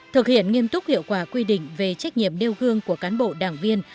thực hiện nghiêm túc hiệu quả quy định về trách nhiệm đeo gương của cán bộ đảng viên